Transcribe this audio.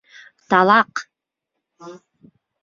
Талаҡ.